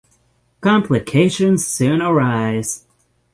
Complications soon arise.